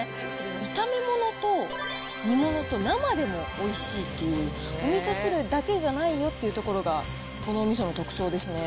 炒め物と煮物と生でもおいしいという、おみそ汁だけじゃないよっていうところが、このおみその特徴ですね。